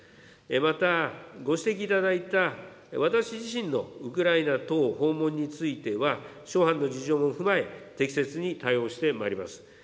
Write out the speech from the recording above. また、ご指摘いただいた私自身のウクライナ等訪問については、諸般の事情も踏まえ、適切に対応してまいります。